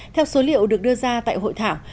theo số liệu được đưa ra tại hội thảo